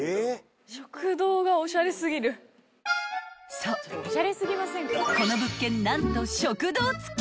［そうこの物件何と］